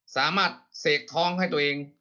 สามารถเสกท้องให้ตัวเอง